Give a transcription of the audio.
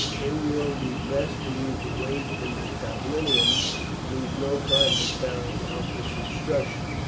It will be best for you to wait in the tablinum; lose no time in carrying out this instruction."